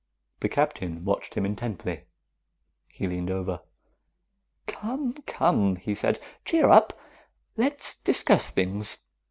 The Captain watched him intently. He leaned over. "Come, come," he said. "Cheer up! Let's discuss things."